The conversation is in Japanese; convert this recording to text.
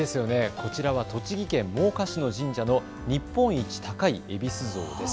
こちらは栃木県真岡市の神社の日本一高いえびす像です。